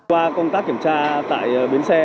qua công tác kiểm tra tại bến xe